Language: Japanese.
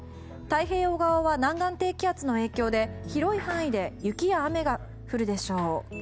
太平洋側は南岸低気圧の影響で広い範囲で雪や雨が降るでしょう。